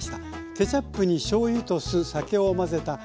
ケチャップにしょうゆと酢酒を混ぜたケチャップだれ。